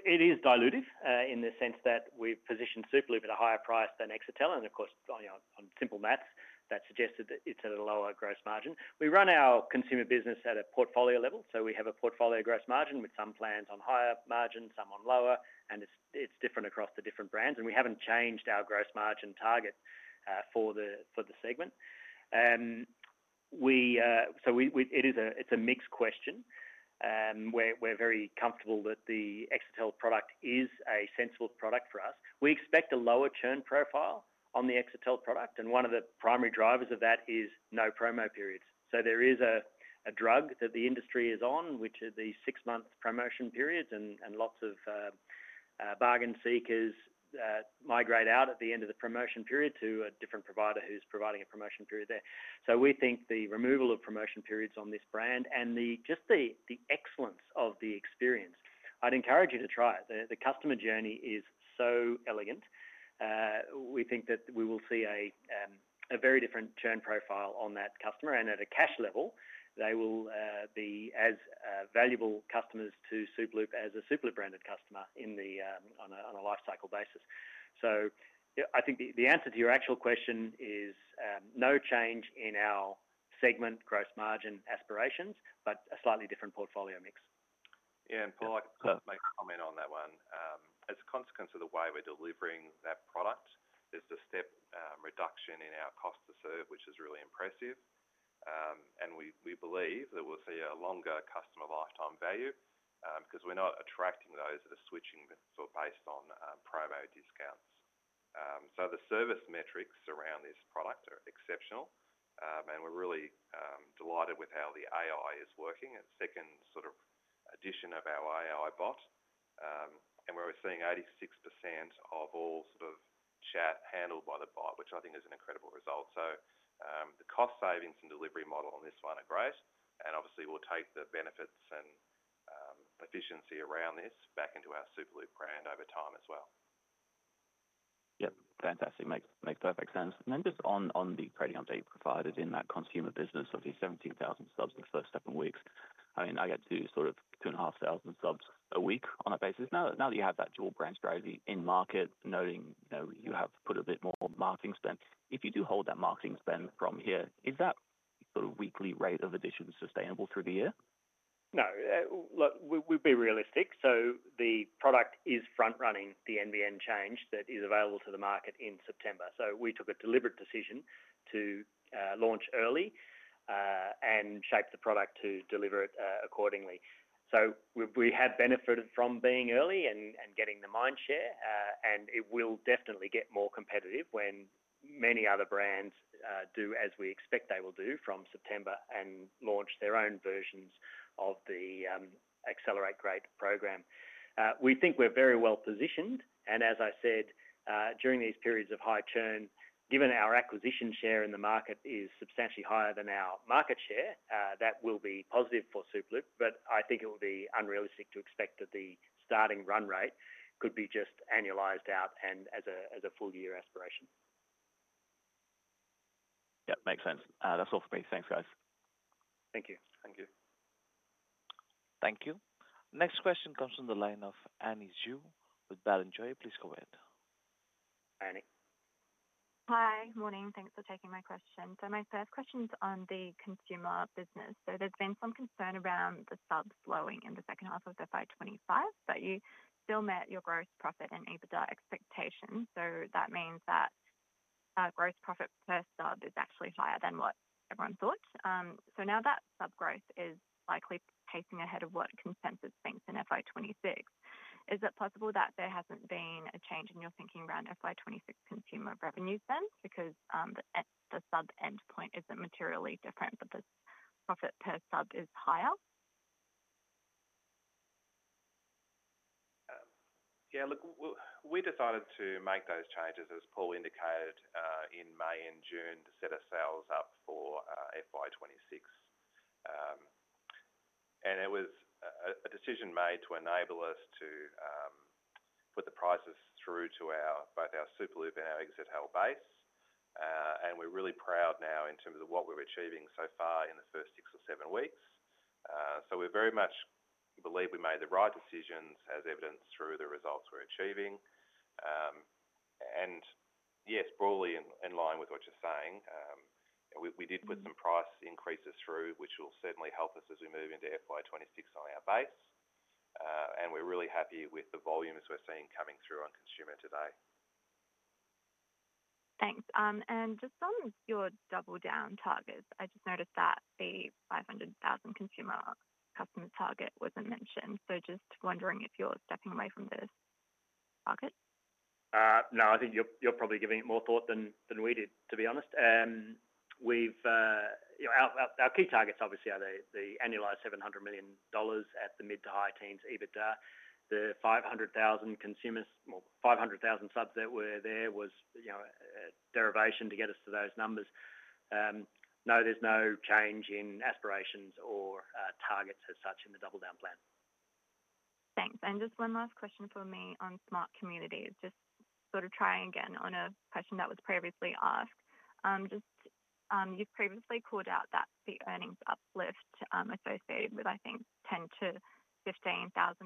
is dilutive in the sense that we've positioned Superloop at a higher price than Exetel. Of course, on simple maths, that suggested that it's at a lower gross margin. We run our consumer business at a portfolio level. We have a portfolio gross margin with some plans on higher margins, some on lower, and it's different across the different brands. We haven't changed our gross margin target for the segment. It's a mixed question. We're very comfortable that the Exetel product is a sensible product for us. We expect a lower churn profile on the Exetel product. One of the primary drivers of that is no promo periods. There is a drug that the industry is on, which are the six-month promotion periods, and lots of bargain seekers migrate out at the end of the promotion period to a different provider who's providing a promotion period there. We think the removal of promotion periods on this brand and just the excellence of the experience, I'd encourage you to try it. The customer journey is so elegant. We think that we will see a very different churn profile on that customer. At a cash level, they will be as valuable customers to Superloop as a Superloop-branded customer on a lifecycle basis. I think the answer to your actual question is no change in our segment gross margin aspirations, but a slightly different portfolio mix. Yeah, and Paul, I'd like to make a comment on that one. As a consequence of the way we're delivering that product, there's a step reduction in our cost to serve, which is really impressive. We believe that we'll see a longer customer lifetime value because we're not attracting those that are switching for based on promo discounts. The service metrics around this product are exceptional. We're really delighted with how the AI is working. It's the second sort of addition of our AI bot, and we're seeing 86% of all sort of chat handled by the bot, which I think is an incredible result. The cost savings and delivery model on this one are great. Obviously, we'll take the benefits and efficiency around this back into our Superloop brand over time as well. Yeah, fantastic. Makes perfect sense. Just on the credit you provided in that consumer business of your 17,000 subs in the first seven weeks, I get to sort of 2,500 subs a week on a basis. Now that you have that dual branch strategy in market, noting you have put a bit more marketing spend, if you do hold that marketing spend from here, is that sort of weekly rate of additions sustainable through the year? No, look, we'll be realistic. The product is front-running the NBN change that is available to the market in September. We took a deliberate decision to launch early and shape the product to deliver it accordingly. We have benefited from being early and getting the mind share. It will definitely get more competitive when many other brands do as we expect they will do from September and launch their own versions of the Accelerate Great program. We think we're very well positioned. As I said, during these periods of high churn, given our acquisition share in the market is substantially higher than our market share, that will be positive for Superloop. I think it will be unrealistic to expect that the starting run rate could be just annualized out and as a full-year aspiration. Yeah, makes sense. That's all for me. Thanks, guys. Thank you. Thank you. Thank you. Next question comes from the line of Annie Zhu with Barrenjoey. Please go ahead. Annie. Hi, morning. Thanks for taking my question. My first question is on the consumer business. There's been some concern around the subs slowing in the second half of FY 2025, but you still met your gross profit and EBITDA expectations. That means that our gross profit per sub is actually higher than what everyone thought. Now that sub growth is likely pacing ahead of what consensus thinks in FY 2026, is it possible that there hasn't been a change in your thinking around FY 2026 consumer revenue spend because the sub endpoint isn't materially different, but the profit per sub is higher? Yeah, look, we decided to make those changes, as Paul indicated, in May and June to set ourselves up for FY 2026. It was a decision made to enable us to put the prices through to both our Superloop and our Exetel base. We're really proud now in terms of what we're achieving so far in the first six or seven weeks. We very much believe we made the right decisions as evidenced through the results we're achieving. Yes, broadly in line with what you're saying, we did put some price increases through, which will certainly help us as we move into FY 2026 on our base. We're really happy with the volumes we're seeing coming through on consumer today. Thanks. Just on your double-down targets, I noticed that the 500,000 consumer customer target wasn't mentioned. I'm just wondering if you're stepping away from this target? No, I think you're probably giving it more thought than we did, to be honest. Our key targets, obviously, are the annualized 700 million dollars at the mid to high teens EBITDA. The 500,000 subs that were there was a derivation to get us to those numbers. No, there's no change in aspirations or targets as such in the double-down plan. Thanks. Just one last question for me on smart communities. Just sort of trying again on a question that was previously asked. You've previously called out that the earnings uplift associated with, I think, 10,000-15,000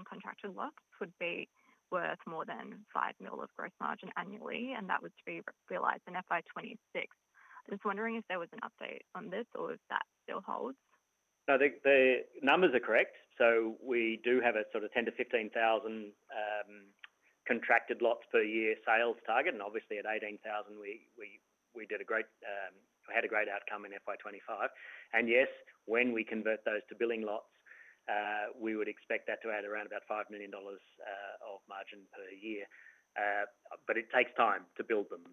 contracted lots would be worth more than 5 million of gross margin annually, and that was to be realized in FY 2026. I'm just wondering if there was an update on this or if that still holds. I think the numbers are correct. We do have a sort of 10,000-15,000 contracted lots per year sales target. Obviously, at 18,000, we had a great outcome in FY 2025. Yes, when we convert those to billing lots, we would expect that to add around about 5 million dollars of margin/year. It takes time to build them.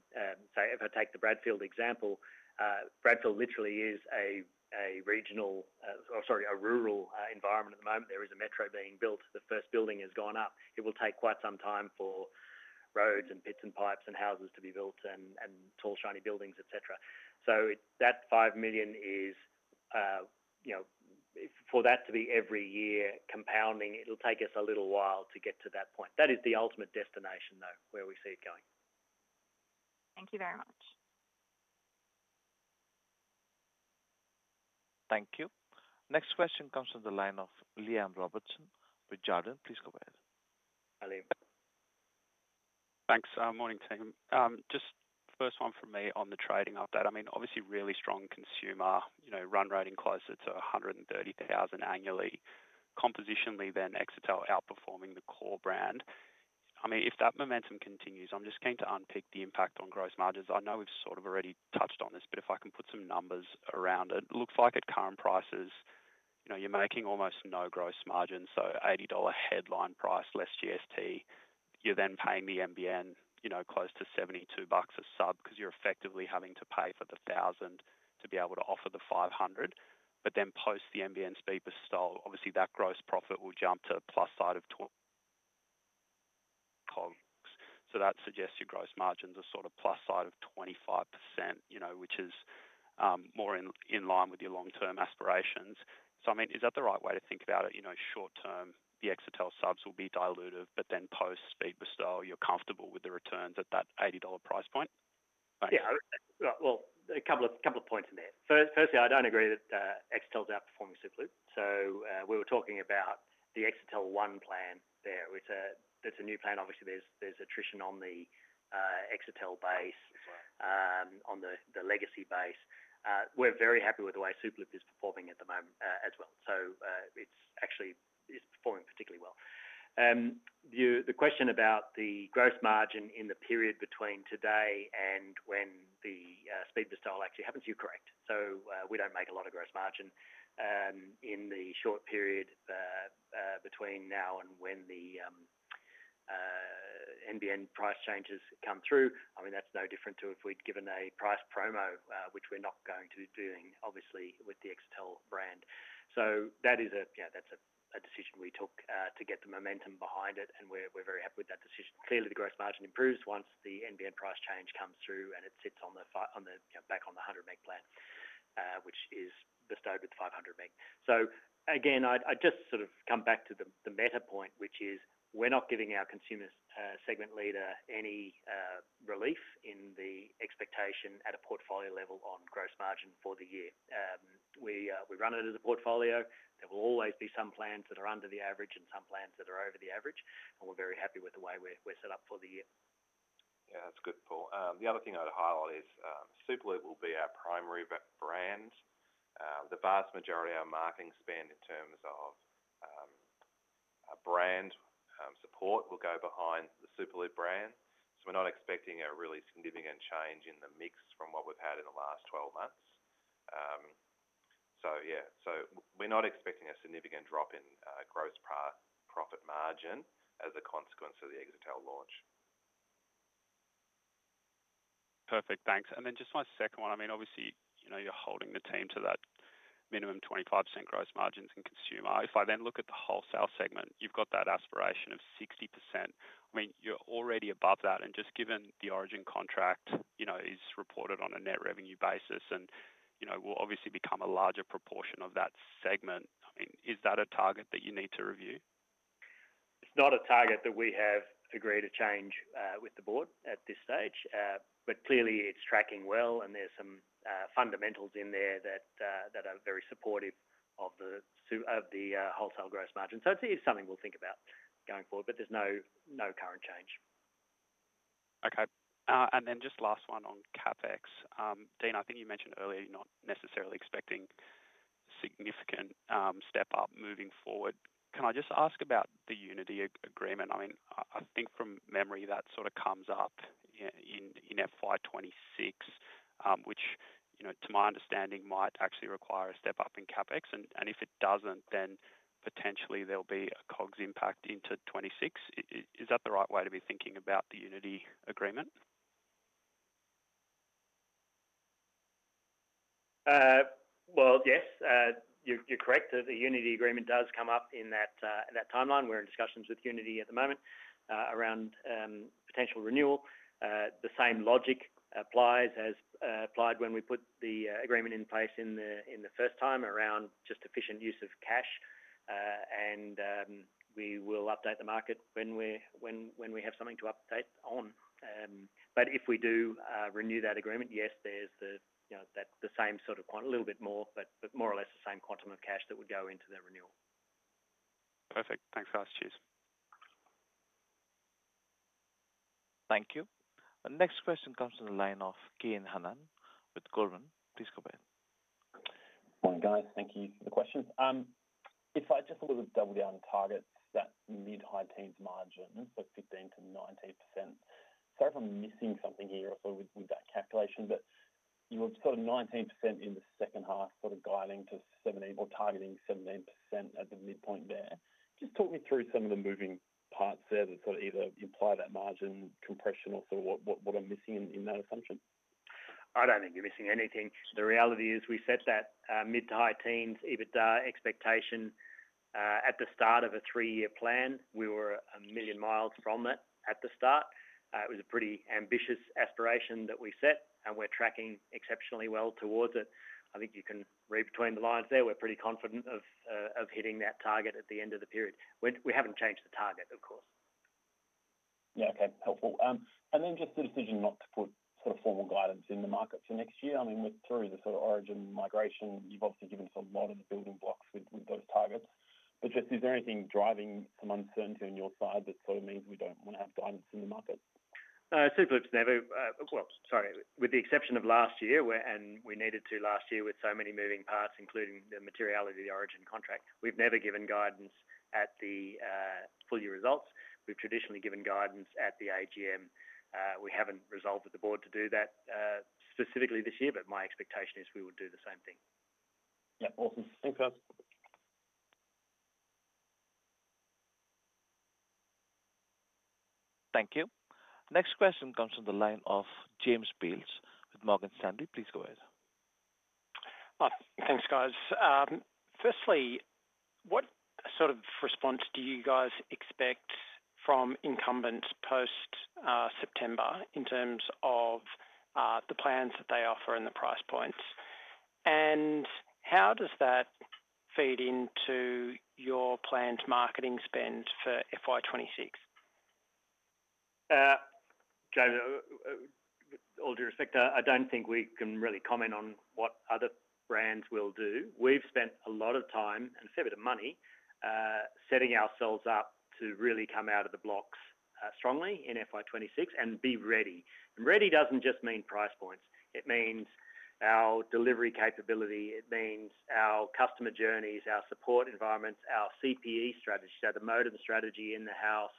If I take the Bradfield example, Bradfield literally is a regional, or sorry, a rural environment at the moment. There is a metro being built. The first building has gone up. It will take quite some time for roads and pits and pipes and houses to be built and tall, shiny buildings, etc. That 5 million is, you know, for that to be every year compounding, it'll take us a little while to get to that point. That is the ultimate destination, though, where we see it going. Thank you very much. Thank you. Next question comes from the line of Liam Robertson with Jarden. Please go ahead. Hi, Liam. Thanks. Morning, team. Just first one from me on the trading update. Obviously, really strong consumer, you know, run rating closer to 130,000 annually. Compositionally, then Exetel outperforming the core brand. If that momentum continues, I'm just keen to unpick the impact on gross margins. I know we've sort of already touched on this, but if I can put some numbers around it, it looks like at current prices, you're making almost no gross margins. 80 dollar headline price, less GST. You're then paying the NBN, you know, close to 72 bucks a sub because you're effectively having to pay for the 1,000 to be able to offer the 500. Post the NBN speed bestowal, obviously, that gross profit will jump to a plus side of 12. That suggests your gross margins are sort of plus side of 25%, which is more in line with your long-term aspirations. Is that the right way to think about it? Short term, the Exetel subs will be dilutive, but post speed bestowal, you're comfortable with the returns at that 80 dollar price point? Yeah, a couple of points in there. Firstly, I don't agree that Exetel's outperforming Superloop. We were talking about the Exetel One plan there. It's a new plan. Obviously, there's attrition on the Exetel base, on the legacy base. We're very happy with the way Superloop is performing at the moment as well. It's actually performing particularly well. The question about the gross margin in the period between today and when the speed bestowal actually happens, you're correct. We don't make a lot of gross margin in the short period between now and when the NBN price changes come through. I mean, that's no different to if we'd given a price promo, which we're not going to be doing, obviously, with the Exetel brand. That is a decision we took to get the momentum behind it, and we're very happy with that decision. Clearly, the gross margin improves once the NBN price change comes through and it sits on the back on the 100 Mbps plan, which is bestowed with the 500 Mbps. Again, I'd just sort of come back to the meta point, which is we're not giving our consumer segment leader any relief in the expectation at a portfolio level on gross margin for the year. We run it as a portfolio. There will always be some plans that are under the average and some plans that are over the average, and we're very happy with the way we're set up for the year. Yeah, that's good, Paul. The other thing I'd highlight is Superloop will be our primary brand. The vast majority of our marketing spend in terms of brand support will go behind the Superloop brand. We're not expecting a really significant change in the mix from what we've had in the last 12 months. We're not expecting a significant drop in gross profit margin as a consequence of the Exetel launch. Perfect, thanks. Just my second one. Obviously, you're holding the team to that minimum 25% gross margins in consumer. If I then look at the wholesale segment, you've got that aspiration of 60%. You're already above that. Given the Origin contract is reported on a net revenue basis and will obviously become a larger proportion of that segment, is that a target that you need to review? It's not a target that we have agreed a change with the board at this stage. Clearly, it's tracking well, and there's some fundamentals in there that are very supportive of the wholesale gross margin. It is something we'll think about going forward, but there's no current change. Okay. Just last one on CapEx. Dean, I think you mentioned earlier you're not necessarily expecting a significant step up moving forward. Can I just ask about the unity agreement? I think from memory, that sort of comes up in FY 2026, which, to my understanding, might actually require a step up in CapEx. If it doesn't, then potentially there'll be a COGS impact into 2026. Is that the right way to be thinking about the unity agreement? You're correct. The Unity agreement does come up in that timeline. We're in discussions with Unity at the moment around potential renewal. The same logic applies as applied when we put the agreement in place the first time around, just efficient use of cash. We will update the market when we have something to update on. If we do renew that agreement, there's the same sort of quantum, a little bit more, but more or less the same quantum of cash that would go into the renewal. Perfect. Thanks for that, cheers. Thank you. Next question comes from the line of Kanan Hannan with Goldman. Please go ahead. Morning, guys. Thank you for the question. If I just double-down and target that mid-high teens margin, like 15%-19%. Sorry if I'm missing something here with that calculation, but you were sort of 19% in the second half, sort of guiding to 17% or targeting 17% at the midpoint there. Just talk me through some of the moving parts there that either imply that margin compression or what I'm missing in that assumption. I don't think you're missing anything. The reality is we set that mid-to-high teens EBITDA expectation at the start of a three-year plan. We were a million miles from that at the start. It was a pretty ambitious aspiration that we set, and we're tracking exceptionally well towards it. I think you can read between the lines there. We're pretty confident of hitting that target at the end of the period. We haven't changed the target, of course. Okay. Helpful. The decision not to put sort of formal guidance in the market for next year, with the Origin migration, you've obviously given us a lot of the building blocks with those targets. Is there anything driving some uncertainty on your side that means we don't want to have guidance in the market? Superloop's never, with the exception of last year, and we needed to last year with so many moving parts, including the materiality of the Origin contract. We've never given guidance at the full-year results. We've traditionally given guidance at the AGM. We haven't resolved with the board to do that specifically this year, but my expectation is we would do the same thing. Yeah, awesome. Thanks, guys. Thank you. Next question comes from the line of James Bales with Morgan Stanley. Please go ahead. Thanks, guys. Firstly, what sort of response do you guys expect from incumbents post-September in terms of the plans that they offer and the price points? How does that feed into your planned marketing spend for FY 2026? James, with all due respect, I don't think we can really comment on what other brands will do. We've spent a lot of time and a fair bit of money setting ourselves up to really come out of the blocks strongly in FY 2026 and be ready. Ready doesn't just mean price points. It means our delivery capability, our customer journeys, our support environments, our CPE strategy, so the modem strategy in the house.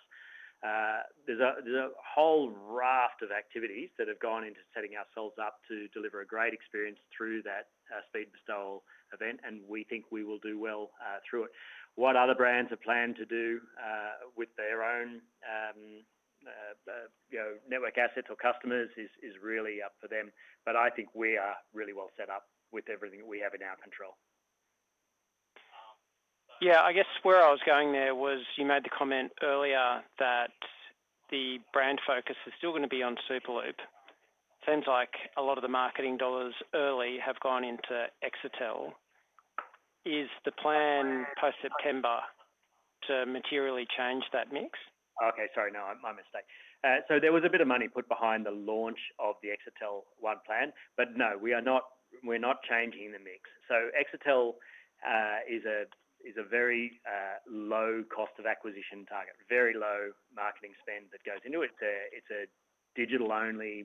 There's a whole raft of activities that have gone into setting ourselves up to deliver a great experience through that speed bestowal event, and we think we will do well through it. What other brands are planning to do with their own network assets or customers is really up for them. I think we are really well set up with everything that we have in our control. I guess where I was going there was you made the comment earlier that the brand focus is still going to be on Superloop. It seems like a lot of the marketing dollars early have gone into Exetel. Is the plan post-September to materially change that mix? Sorry, no, my mistake. There was a bit of money put behind the launch of the Exetel One plan, but no, we are not changing the mix. Exetel is a very low cost of acquisition target, very low marketing spend that goes into it. It's a digital-only,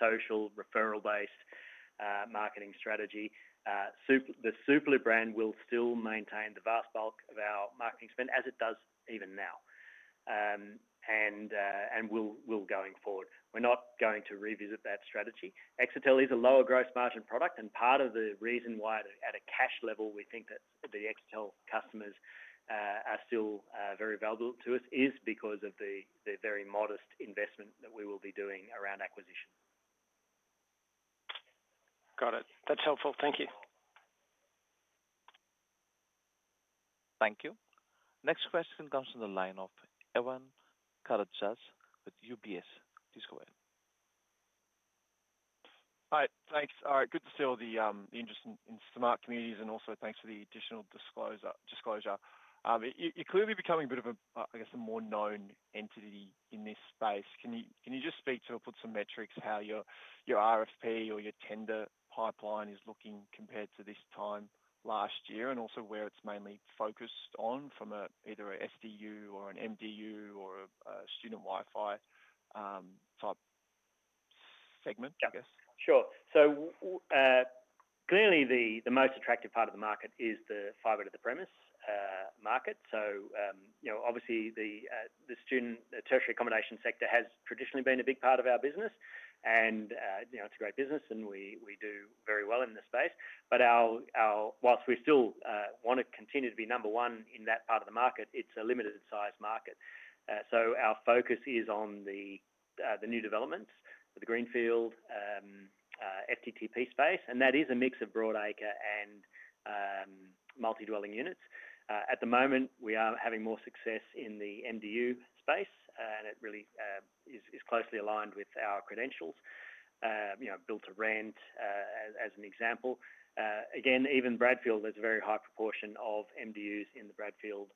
social referral-based marketing strategy. The Superloop brand will still maintain the vast bulk of our marketing spend as it does even now and will going forward. We're not going to revisit that strategy. Exetel is a lower gross margin product, and part of the reason why at a cash level we think that the Exetel customers are still very available to us is because of the very modest investment that we will be doing around acquisition. Got it. That's helpful. Thank you. Thank you. Next question comes from the line of Evan Karatzas with UBS. Please go ahead. Hi, thanks. All right, good to see all the interest in smart communities and also thanks for the additional disclosure. You're clearly becoming a bit of a, I guess, a more known entity in this space. Can you just speak to or put some metrics how your RFP or your tender pipeline is looking compared to this time last year, and also where it's mainly focused on from either an SDU or an MDU or a student Wi-Fi type segment, I guess? Sure. Clearly, the most attractive part of the market is the fiber-to-the-premise market. Obviously, the student tertiary accommodation sector has traditionally been a big part of our business, and it's a great business, and we do very well in this space. Whilst we still want to continue to be number one in that part of the market, it's a limited-size market. Our focus is on the new developments, the Greenfield, FTTP space, and that is a mix of broad acre and multi-dwelling units. At the moment, we are having more success in the MDU space, and it really is closely aligned with our credentials. Built to rent as an example. Again, even Bradfield, there's a very high proportion of MDUs in the Bradfield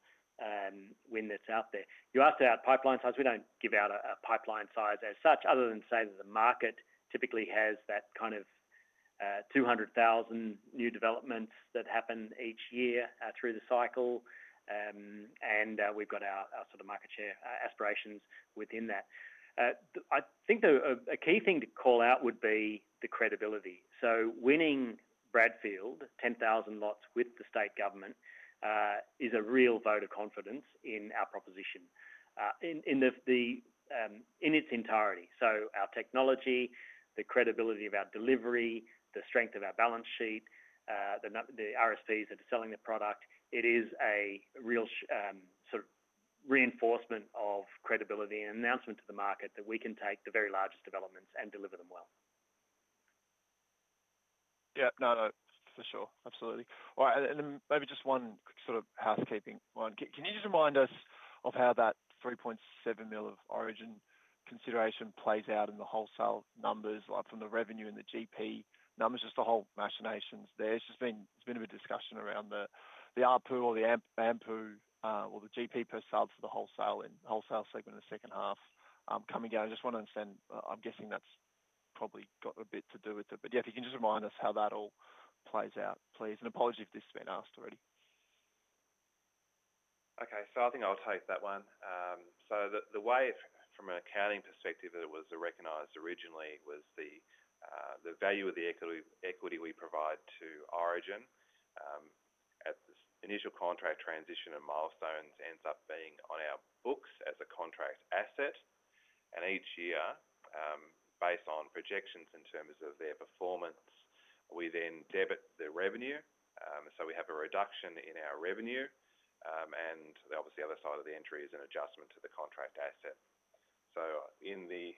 win that's out there. You asked about pipeline size. We don't give out a pipeline size as such, other than say that the market typically has that kind of 200,000 new developments that happen each year through the cycle, and we've got our sort of market share aspirations within that. I think a key thing to call out would be the credibility. Winning Bradfield, 10,000 lots with the state government, is a real vote of confidence in our proposition in its entirety. Our technology, the credibility of our delivery, the strength of our balance sheet, the RSPs that are selling the product, it is a real sort of reinforcement of credibility and announcement to the market that we can take the very largest developments and deliver them well. Absolutely. All right. Maybe just one quick sort of housekeeping one. Can you just remind us of how that 3.7 million of Origin consideration plays out in the wholesale numbers, like from the revenue and the gross margin numbers, just the whole machinations there? It's just been a bit of a discussion around the ARPU or the AMPU or the gross margin per sub for the wholesale in the wholesale segment in the second half coming down. I just want to understand, I'm guessing that's probably got a bit to do with it. If you can just remind us how that all plays out, please. Apology if this has been asked already. Okay, I think I'll take that one. The way from an accounting perspective that was recognized originally was the value of the equity we provide to Origin. At this initial contract transition and milestones, it ends up being on our books as a contract asset. Each year, based on projections in terms of their performance, we then debit their revenue. We have a reduction in our revenue. Obviously, the other side of the entry is an adjustment to the contract asset. In the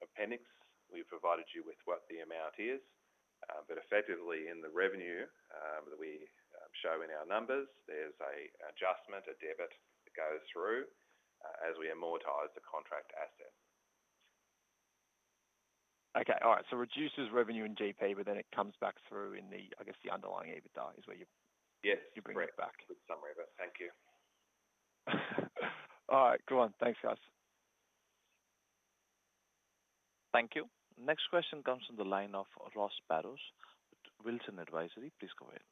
appendix, we've provided you with what the amount is. Effectively, in the revenue that we show in our numbers, there's an adjustment, a debit that goes through as we amortize the contract asset. Okay. All right. It reduces revenue in GP, but then it comes back through in the, I guess, the underlying EBITDA is where you bring it back. Yes, good summary of it. Thank you. All right. Go on. Thanks, guys. Thank you. Next question comes from the line of Ross Barrows with Wilson Advisory. Please go ahead.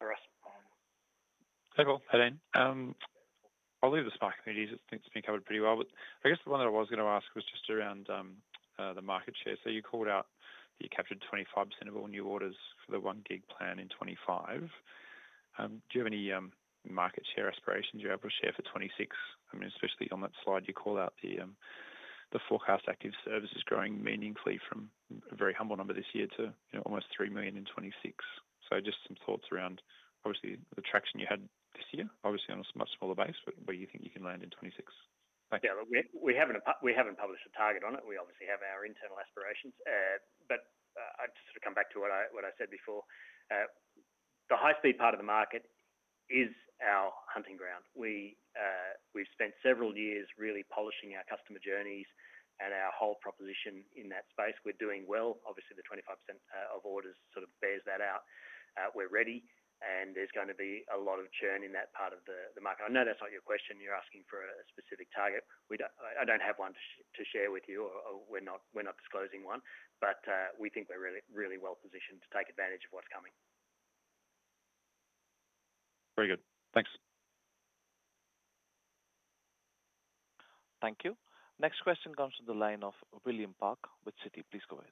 Hi, Ross. Hi, Paul. I'll leave the smart communities. I think it's been covered pretty well. I guess the one that I was going to ask was just around the market share. You called out that you captured 25% of all new orders for the one gig plan in 2025. Do you have any market share aspirations you're able to share for 2026? I mean, especially on that slide, you call out the forecast active services growing meaningfully from a very humble number this year to almost 3 million in 2026. Just some thoughts around, obviously, the traction you had this year, obviously, on a much smaller base, but where you think you can land in 2026. Yeah, we haven't published a target on it. We obviously have our internal aspirations. I'd sort of come back to what I said before. The high-speed part of the market is our hunting ground. We've spent several years really polishing our customer journeys and our whole proposition in that space. We're doing well. Obviously, the 25% of orders sort of bears that out. We're ready, and there's going to be a lot of churn in that part of the market. I know that's not your question. You're asking for a specific target. I don't have one to share with you, or we're not disclosing one. We think we're really well positioned to take advantage of what's coming. Very good, thanks. Thank you. Next question comes from the line of William Park with Citi. Please go ahead.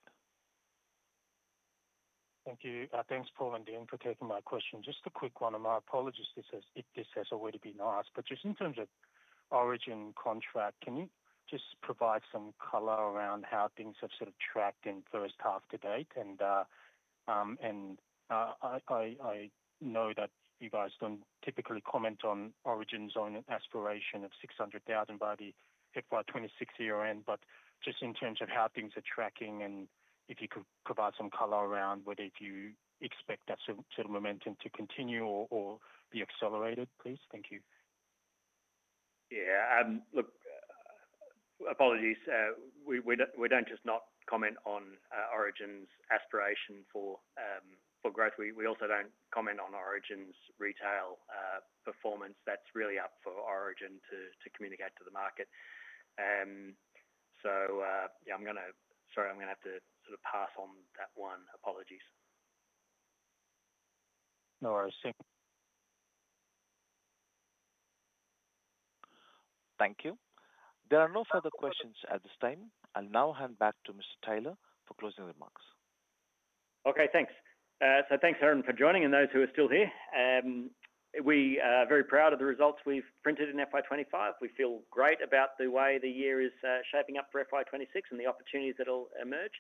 Thank you. Thanks, Paul and Dean, for taking my question. Just a quick one, and my apologies if this has already been asked, just in terms of the Origin contract, can you provide some color around how things have sort of tracked in the first half to date? I know that you guys don't typically comment on Origin's own aspiration of 600,000 by the FY 2026 year-end, just in terms of how things are tracking and if you could provide some color around whether you expect that sort of momentum to continue or be accelerated, please. Thank you. Yeah, look, apologies. We don't just not comment on Origin's aspiration for growth. We also don't comment on Origin's retail performance. That's really up for Origin to communicate to the market. I'm going to have to sort of pass on that one, apologies. No worries. Thank you. There are no further questions at this time. I'll now hand back to Mr. Tyler for closing remarks. Okay, thanks. Thanks, Aaron, for joining, and those who are still here. We are very proud of the results we've printed in FY 2025. We feel great about the way the year is shaping up for FY 2026 and the opportunities that will emerge.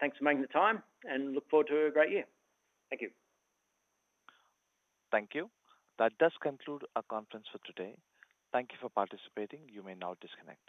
Thanks for making the time, and look forward to a great year. Thank you. Thank you. That does conclude our conference for today. Thank you for participating. You may now disconnect.